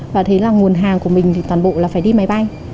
và thế là nguồn hàng của mình thì toàn bộ là phải đi máy bay